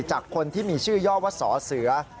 จากคนที่มีชื่อย่อว่าสอเสือ